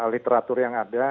literatur yang ada